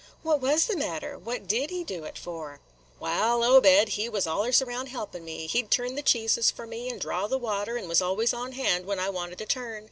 "What was the matter? what did he do it for?" "Wal, Obed, he was allers round helpin' me, – he 'd turn the cheeses for me, and draw the water, and was always on hand when I wanted a turn.